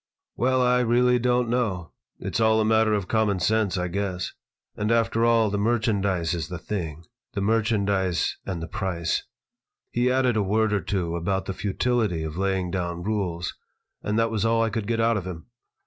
"Well, I really don't know. It's all a matter of common sense, I guess. And, after all, the merchandise is the thing, the merchandise and the price." He added a word or two about the futility of laying down rules, and that was all I could get out of him.